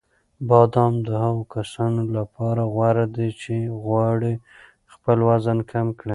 بادام د هغو کسانو لپاره غوره دي چې غواړي خپل وزن کم کړي.